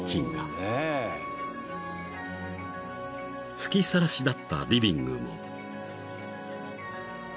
［吹きさらしだったリビングも］